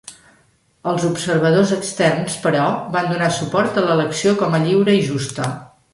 Els observadors externs, però, van donar suport a l'elecció com a lliure i justa.